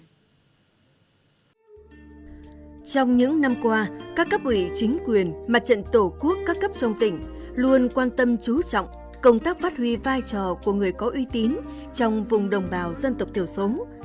trong những năm qua các cấp ủy chính quyền mặt trận tổ quốc các cấp trong tỉnh luôn quan tâm chú trọng công tác phát huy vai trò của người có uy tín trong vùng đồng bào dân tộc thiểu số